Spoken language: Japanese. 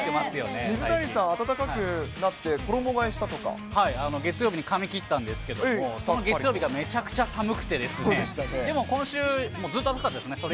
水谷さん、暖かくなって、月曜日に髪切ったんですけども、月曜日がめちゃくちゃ寒くて、でも今週、ずっと暖かかったです